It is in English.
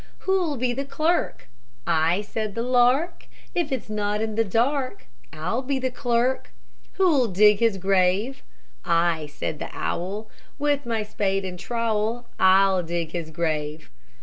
Who'll be the clerk? "I," said the lark, "If it's not in the dark, I'll be the clerk." Who'll dig his grave? "I," said the owl, "With my spade and trowel I'll dig his grave."